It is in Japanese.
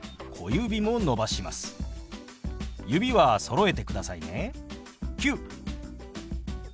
指はそろえてくださいね。